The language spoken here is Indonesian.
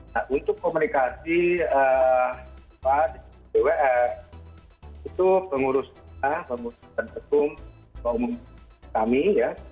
nah untuk komunikasi bws itu pengurusan kita pengurusan sekum pengumuman kami ya